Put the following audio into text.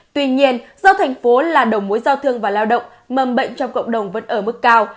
tuy nhiên do thành phố là đầu mối giao thương và lao động mầm bệnh trong cộng đồng vẫn ở mức cao